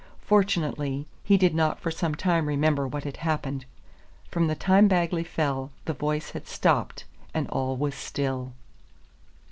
Fortunately he did not for some time remember what had happened. From the time Bagley fell the voice had stopped, and all was still.